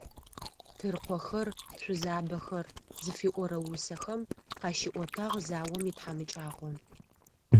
«Тыркъохэр», «Шъузабэхэр» зыфиӏорэ усэхэм къащиӏотагъ заом итхьамыкӀагъо.